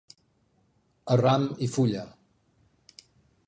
A ram i fulla.